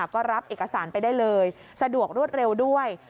ก็รับเอกสารไปได้เลยสะดวกรวดเร็วด้วย